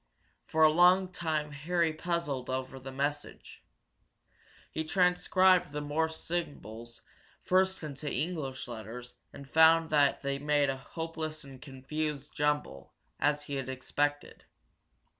For a long time Harry puzzled over the message. He transcribed the Morse symbols first into English letters and found they made a hopeless and confused jumble, as he had expected.